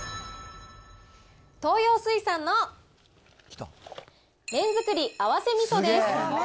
東洋水産の麺づくり合わせ味噌です。